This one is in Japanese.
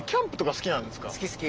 好き好き。